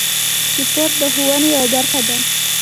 سپورت د ښوونې یوه برخه ده.